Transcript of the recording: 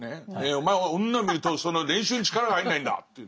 「お前は女を見ると練習に力が入んないんだ」っていうね。